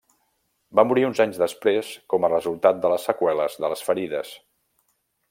Va morir uns anys després com a resultat de les seqüeles de les ferides.